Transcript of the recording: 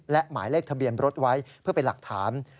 และหมายเลขทะเบียนรถไว้เพื่อเป็นหลักฐาน